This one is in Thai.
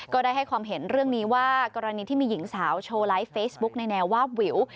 ก็ได้ให้ความเห็นเรื่องนี้ว่ากรณีที่มีหญิงสาวโชว์ไลฟ์เฟซบุ๊กในแนววาบวิว